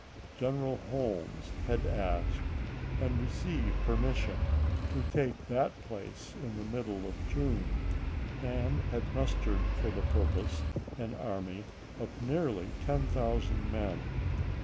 General Holmes had asked and received im. permission to take that place, in the middle of June, and had mustered for the purpose an army of nearly ten thousand men.